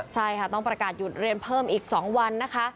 ใช่ค่ะต้องประกาศหยุดเรียนเพิ่มอีก๒วันนะคะ